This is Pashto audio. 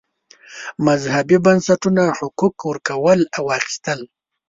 مذهبي بنسټونو حقوق ورکول او اخیستل.